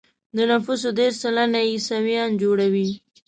د نفوسو دېرش سلنه يې عیسویان جوړوي.